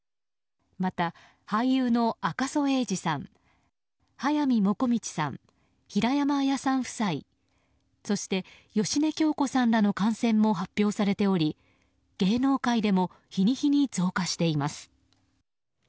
また、俳優の赤楚衛二さん速水もこみちさん・平山あやさん夫妻そして、芳根京子さんらの感染も発表されており芸能界でも日に日に増加しています。